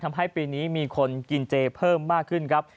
ทำให้ปีนี้มีคนกินเจเพิ่มมากขึ้นครับ